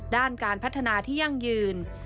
ด้านการพัฒนาที่ยั่งยืน